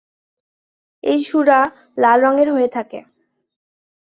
এই সুরা লাল রঙের হয়ে থাকে।